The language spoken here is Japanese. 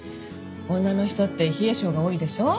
女の人って冷え性が多いでしょ。